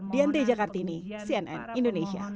dianti jakartini cnn indonesia